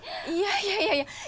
いやいやいやいや。